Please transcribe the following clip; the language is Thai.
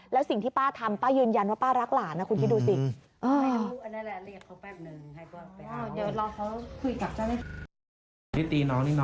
แล้วสิ่งที่ป้าทำป้ายืนยันว่าป้ารักหลานนะคุณคิดดูสิ